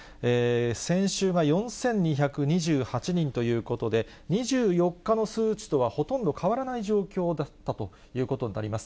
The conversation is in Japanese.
先週が４２２８人ということで、２４日の数値とはほとんど変わらない状況だったということになります。